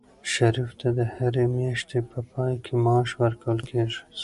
شریف ته د هرې میاشتې په پای کې معاش ورکول کېږي.